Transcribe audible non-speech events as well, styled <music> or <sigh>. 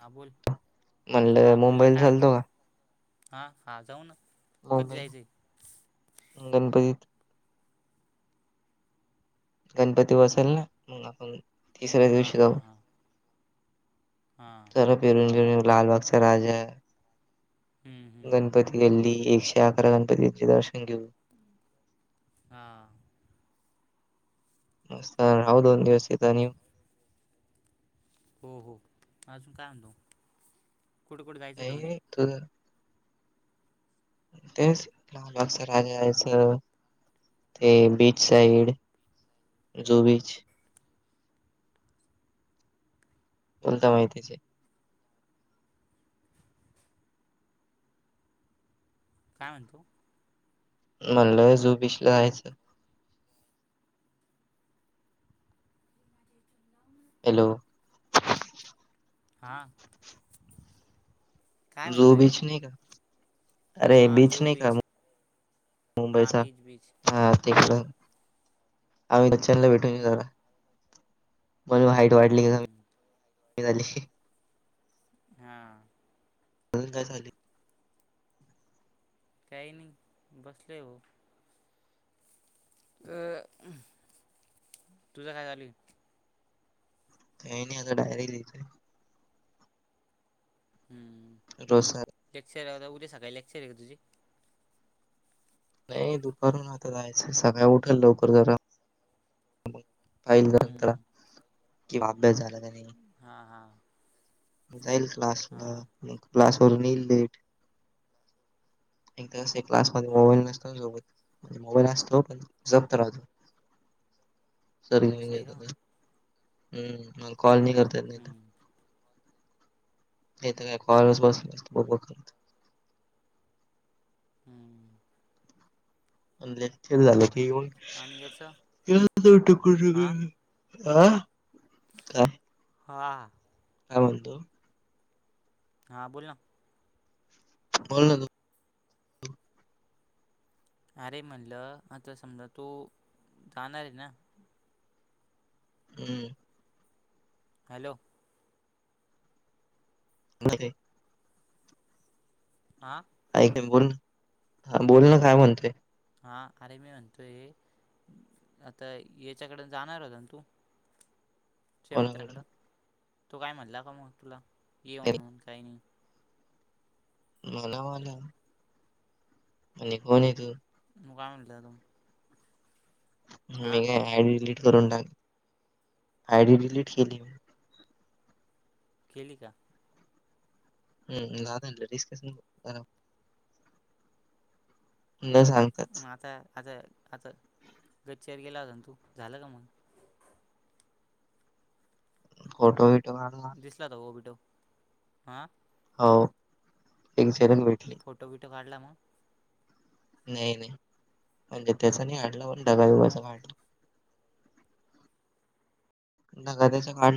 हां बोल. म्हणलं हा बोल ना मुंबईला काय चालतो म्हणतो? का हां हां जाऊ ना. हो कधी मी जायचं आहे गणपतीत गणपती बसेल ना, मग आपण तिसऱ्या हां दिवशी हां जाऊ. हां हां. जरा फिरून बिरून येऊ. लालबागचा राजा हम्म, हम्म. गणपती गल्ली, एकशे अकरा गणपतीचे दर्शन घेऊ. हं हां. मस्त राहू दोन दिवस तिथं आणि हो हो, अजून काय आणू? काय नाही? त तेच लालबागचं राजा यायचं ते बीच साइड, जुहू बीच बोल तेव्हा येतीचे. काय म्हणतो? म्हणलं जुहू बीचला जायचं. <inaudible> हॅलो हां काय म्हणतो जुहू आहे बीच नाही का? अरे हां बीच जुहू नाही का हां मुंबईचा. बीच बीच हा तेक हां अमिताभ बच्चनला भेटून येऊ हम्म, जरा मग हाईट वाढली की हम्म. कमी, वाढली हां म्हणून काय झाली? काही नाही बसलेय ओ. अं हं तुझं काय चाललं? काय नाही आता डायरी लिहितोय. हम्म, डोसा. लेक्चर आहेता उद्या सकाळी लेक्चर आहे का तुझे. नाही दुपारून आता जायचं सकाळी उठेल लवकर जरा. पाहिल नंत हम्म. किंवा अभ्यास झाला का नाही. हा हा, जाईल क्लास ला म क्लास वून येईल लेट. एकदा अस क्लासमध्ये हम्म. मोबाईल नसत सोबत. मोबाईल असतो पण जपतहतो <unintelligible> सर असं आहे का हम्म मग कॉल नाही करता येत इथं. हम्म, येत काय कॉलस बस हम्म, अस ब. हम्म, अ <unintelligible> ती झालं की आणि याचं येनट क हा अह काय. हा, काय म्हणतो. हा, बोल ना, बोल ना तू. अरे म्हणलं आता समजा तू जाणार आहे ना. हम, हॅलो, <inaudible> आ, ऐक बोल ना. हा अरे मी म्हणतोय आता याच्याकडन जाणार होता ना तू. <inaudible> तुझ्या मित्राकडं तो काय म्हणला का मग तुला ये त्याने म्हणून काही नाही. मला मला. आणि कोण य तू. तू काय म्हणाला. मी काय आयडी डिलीट करून टाकली आयडी डिलीट केली. केली का. हम्म रिस्क <unintelligible> न मग सांगताच आता आता आता गच्चेवर गेला होता तू झालं का मग. फोटो विटो मारला. दिसलात ओबीटो आ, हो एक क्षणच भेटली. फोटो बिटो काढला मग. नाही नाही म्हणजे त्याच नाही आणलं पण ढगालं मग म्हटलं. कागदाचं काढ.